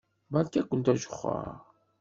Beṛka-kent ajexxeṛ.